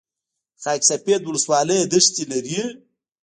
خاک سفید ولسوالۍ دښتې لري؟